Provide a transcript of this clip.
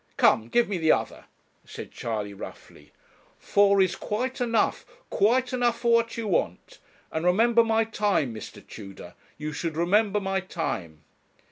'Come, give me the other,' said Charley roughly. 'Four is quite enough, quite enough for what you want; and remember my time, Mr. Tudor; you should remember my time.'